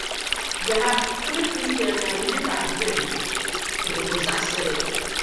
Yaha! Bɛ ni tum shɛlika di nyɛ zaɣivɛlli, tɔ! Bɛ ku zaɣisi li.